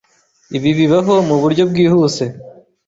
Ibi bibaho muburyo bwihuse.